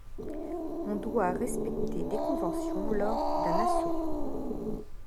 On doit respecter des conventions lors d'un assaut.